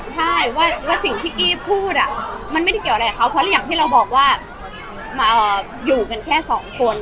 ใช่ว่าสิ่งที่กี้พูดมันไม่ได้เกี่ยวอะไรกับเขาเพราะอย่างที่เราบอกว่าอยู่กันแค่สองคน